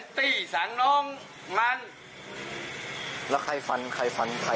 นี่อันนั้นมันทำอะไรก็รู้จะอับใจ